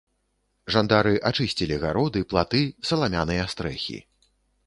Жандары ачысцілі гароды, платы, саламяныя стрэхі.